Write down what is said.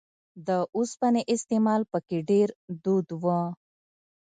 د اوسپنې استعمال په کې ډېر دود و